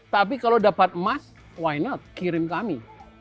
tapi kalau dapat emas why not kirim kami